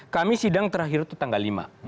kami sidang terakhir itu tanggal lima